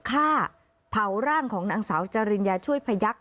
ฆ่าเผาร่างของนางสาวจริญญาช่วยพยักษ